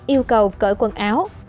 yêu cầu cởi quần áo